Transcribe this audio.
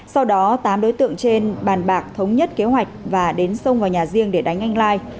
sau đó tám đối tượng trên bàn bạc thống nhất kế hoạch và đến xông vào nhà riêng để đánh anh lai